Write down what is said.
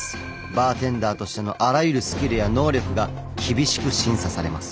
バーテンダーとしてのあらゆるスキルや能力が厳しく審査されます。